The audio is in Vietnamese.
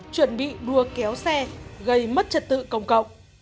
chuẩn bị đua kéo xe gây mất trật tự công cộng